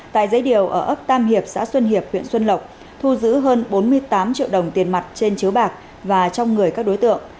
tại giấy điều ở ấp tam hiệp xã xuân hiệp huyện xuân lộc thu giữ hơn bốn mươi tám triệu đồng tiền mặt trên chiếu bạc và trong người các đối tượng